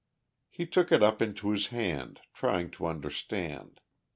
He took it up into his hand, trying to understand.